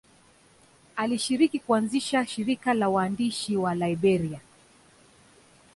Alishiriki kuanzisha shirika la waandishi wa Liberia.